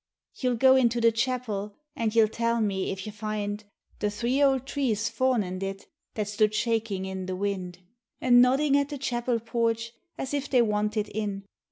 You'll go into the chapel, an' you'll tell me if y' find The three old trees foment it that stood shakin' in the wind, IRELAND REVISITED 71 An' noddin' at the chapel porch, as if they wanted :n.